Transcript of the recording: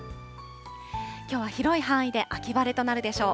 きょうは広い範囲で秋晴れとなるでしょう。